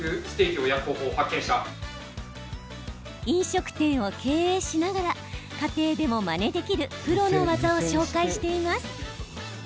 飲食店を経営しながら家庭でもまねできるプロの技を紹介しています。